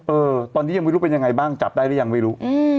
เออตอนนี้ยังไม่รู้เป็นยังไงบ้างจับได้หรือยังไม่รู้